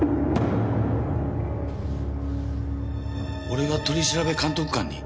俺が取調監督官に？